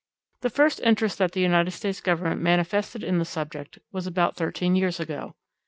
The first interest that the United States Government manifested in the subject was about thirteen years ago.